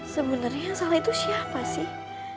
sebenarnya yang salah itu siapa sih